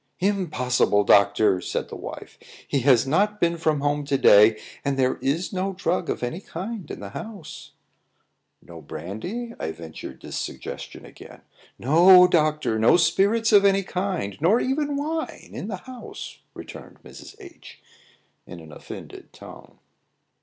"Impossible, doctor," said the wife. "He has not been from home to day, and there is no drug of any kind in the house." "No brandy?" I ventured this suggestion again. "No, doctor, no spirits of any kind, nor even wine, in the house," returned Mrs. H , in an offended tone.